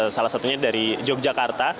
salah satunya dari yogyakarta